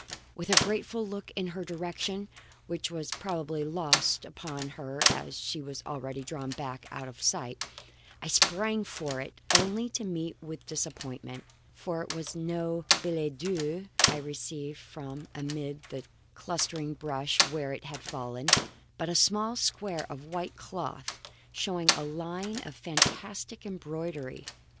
With a grateful look in her direction (which was probably lost upon her as she had already drawn back out of sight), I sprang for it only to meet with disappointment. For it was no billet doux I received from amid the clustering brush where it had fallen; but a small square of white cloth showing a line of fantastic embroidery.